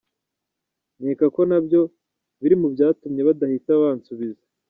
Nkeka ko nabyo biri mu byatumye badahita bansubiza.